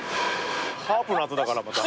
ハープの後だからまた。